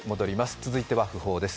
続いては訃報です。